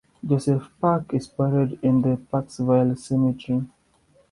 Joseph Pack is buried in the Paxville Cemetery.